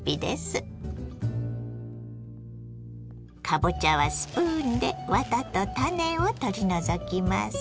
かぼちゃはスプーンでワタと種を取り除きます。